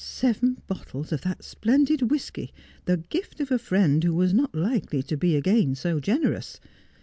Seven bottles of that splendid whisky, the gift of a friend who was not likely to be again so generous